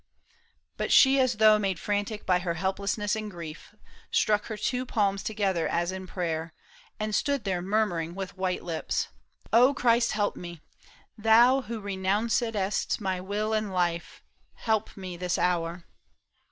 But she as though Made frantic by her helplessness and grief. Struck her two palms together as in prayer, And stood there murmuring with white lips, '' O Christ, Help me ! Thou who renouncedst thy will and life, Hear me this hour